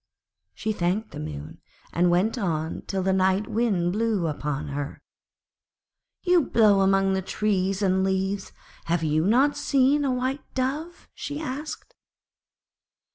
She thanked the Moon, and went on till the Night Wind blew upon her. 'You blow among all the trees and leaves, have not you seen a White Dove?' she asked.